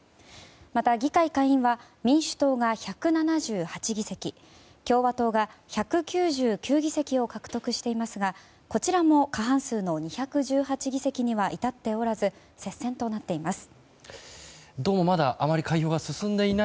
また、議会下院は民主党が１７８議席共和党が１９９議席を獲得していますがこちらも過半数の２１８議席には至っておらず接戦となっています。